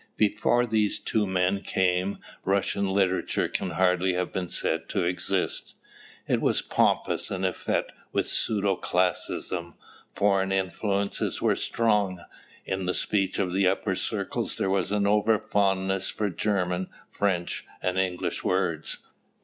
Before these two men came Russian literature can hardly have been said to exist. It was pompous and effete with pseudo classicism; foreign influences were strong; in the speech of the upper circles there was an over fondness for German, French, and English words.